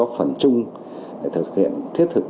góp phần chung để thực hiện thiết thực